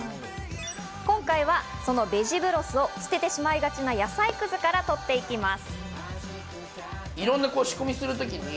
今回は、そのベジブロスを捨ててしまいがちな野菜くずから取っていきます。